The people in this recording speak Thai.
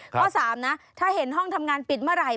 ข้อ๓นะถ้าเห็นห้องทำงานปิดเมื่อไหร่